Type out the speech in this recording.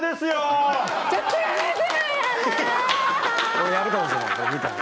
これやるかもしれない見たら。